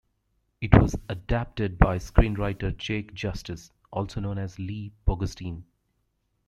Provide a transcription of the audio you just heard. It was adapted by screenwriter Jake Justiz, also known as Lee Pogostin.